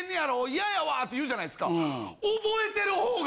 嫌やわって言うじゃないですか。